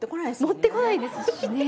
持ってこないですしね。